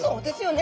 ね